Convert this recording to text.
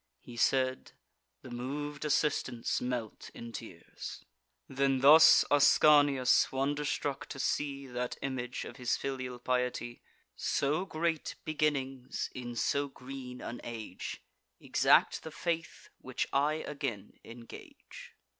He said. The mov'd assistants melt in tears. Then thus Ascanius, wonderstruck to see That image of his filial piety: "So great beginnings, in so green an age, Exact the faith which I again engage.